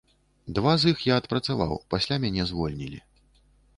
Два з іх я адпрацаваў, пасля мяне звольнілі.